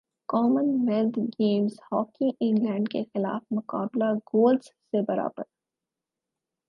common wealth games hockey England کیخلاف مقابلہ goals سے برابر